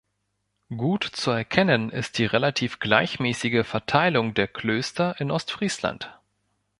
Gut zu erkennen ist die relativ gleichmäßige Verteilung der Klöster auf Ostfriesland.